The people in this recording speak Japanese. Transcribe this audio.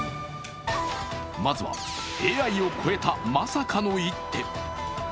まずは、ＡＩを超えた、まさかの一手。